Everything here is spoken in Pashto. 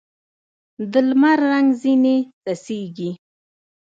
د لمر رنګ ځیني څڅېږي